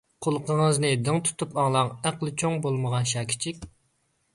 قۇلىقىڭىزنى دىڭ تۇتۇپ ئاڭلاڭ ئەقلى چوڭ بولمىغان شاكىچىك!